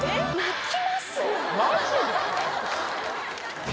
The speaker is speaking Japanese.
マジで？